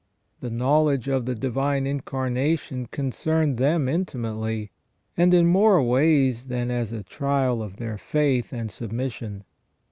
The knowledge of the Divine Incarnation concerned them intimately, and in more ways than as a trial of their faith and submission.